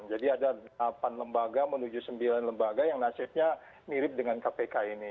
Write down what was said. jadi ada delapan lembaga menuju sembilan lembaga yang nasibnya mirip dengan kpk ini